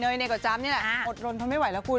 เนยเรียกเขาบังสังผัสธุกันเนี่ยอดร้อนเค้าไม่ไหวแล้วคุณ